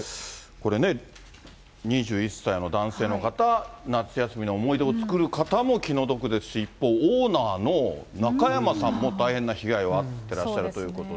これね、２１歳の男性の方、夏休みの思い出を作る方も気の毒ですし、一方、オーナーの中山さんも大変な被害に遭ってらっしゃるということで。